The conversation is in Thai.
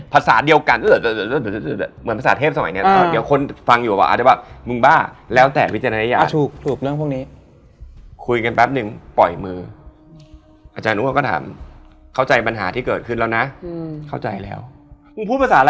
แบบเมคโจ๊กตลอดเวลา